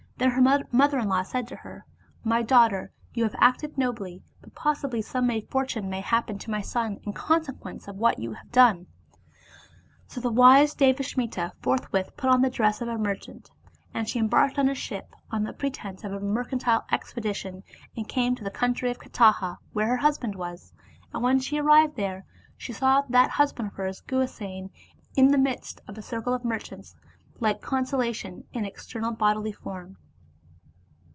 Then her mother in law said to her, " My daughter, you have acted nobly, but possibly some misfortune may happen to my son in consequence of what you have done." So the wise Devasmiti forthwith put on the dress of a merchant. Then she embarked on a ship, on the pre tense of a mercantile expedition, and came to the country of Kataha where her husband was. And when she arrived there, she saw that husband of hers, Guhasena, in the midst of a circle of merchants, like consolation in external bodily form.